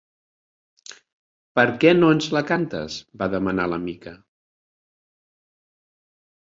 Per què no ens la cantes? —va demanar la Mica.